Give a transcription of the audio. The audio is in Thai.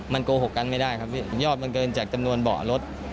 มันโกหกกันไม่ได้ครับพี่ยอดมันเกินจากจำนวนเบาะรถ